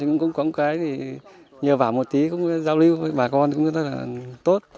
cũng có một cái nhờ vả một tí cũng giao lưu với bà con cũng rất là tốt